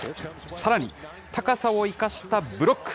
さらに、高さを生かしたブロック。